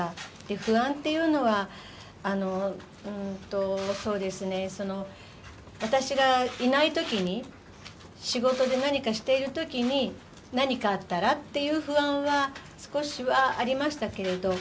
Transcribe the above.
不安っていうのは、そうですね、私がいないときに、仕事で何かしているときに、何かあったらっていう不安は、少しはありましたけれど、